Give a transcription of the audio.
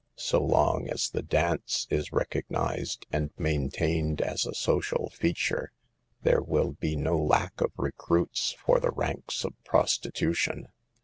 So long as the dance is recognized and maintained as a social feature, there will be no lack of recruits for the ranks of prostitution.